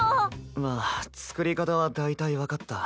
まあ作り方は大体分かった。